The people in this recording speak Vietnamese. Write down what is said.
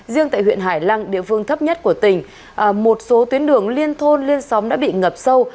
riêng tại huyện hải lăng địa phương thấp nhất của tỉnh một số tuyến đường liên thôn liên xóm đã bị ngập sâu